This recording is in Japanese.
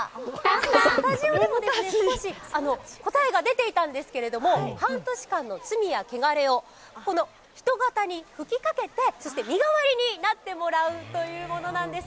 スタジオでも少し答えが出ていたんですが半年間の罪や穢れを、人形に吹きかけて、そして身代わりになってもらうというものなんです。